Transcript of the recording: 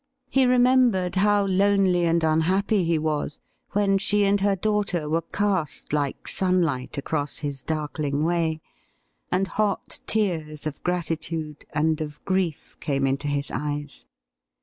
He remembered how lonely and unhappy he was when she and her daughter were cast, like sunlight, across his darkling way, and hot tears of gratitude and of grief came into his eyes.